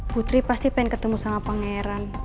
putri pasti pengen ketemu sama pangeran